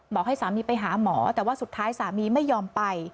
ให้สามีไปหาหมอแต่ว่าสุดท้ายสามีไม่ยอมไป